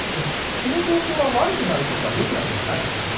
この状況は悪くなることこそあれよくなることはないんですよ。